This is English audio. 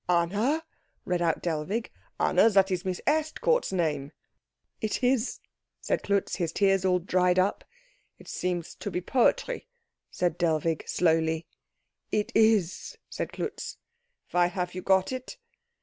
"Anna?" read out Dellwig, "Anna? That is Miss Estcourt's name." "It is," said Klutz, his tears all dried up. "It seems to be poetry," said Dellwig slowly. "It is," said Klutz. "Why have you got it?"